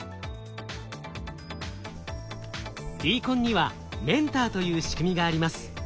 ＤＣＯＮにはメンターという仕組みがあります。